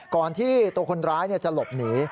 ก่อนที่ตัวคนร้ายจะหลบหนี